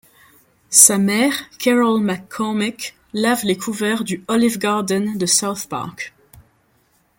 Sa mère, Carol McCormick, lave les couverts du Olive Garden de South Park.